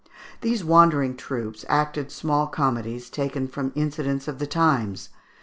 These wandering troops acted small comedies, taken from incidents of the times.